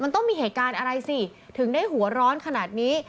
มันต้องมีเหตุการณ์อะไรสิถึงได้หัวร้อนขนาดนี้